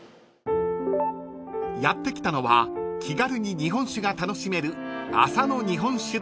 ［やって来たのは気軽に日本酒が楽しめる］